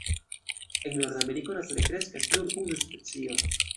En Norda Ameriko nature kreskas nur unu specio.